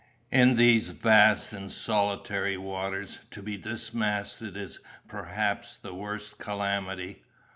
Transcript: In these vast and solitary waters, to be dismasted is perhaps the worst calamity.